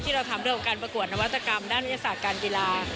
เราทำเรื่องของการประกวดนวัตกรรมด้านวิทยาศาสตร์การกีฬา